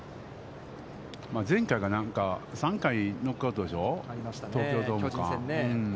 前回がなんか、３回ノックアウトでしょう、東京ドームか。